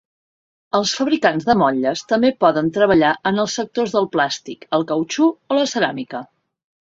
Els fabricants de motlles també poden treballar en els sectors del plàstic, el cautxú o la ceràmica.